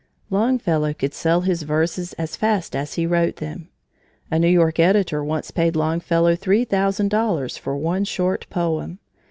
Longfellow could sell his verses as fast as he wrote them. A New York editor once paid Longfellow three thousand dollars for one short poem.